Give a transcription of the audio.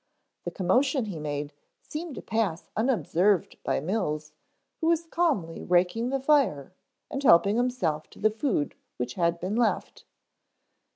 The commotion he made seemed to pass unobserved by Mills, who was calmly raking the fire and helping himself to the food which had been left.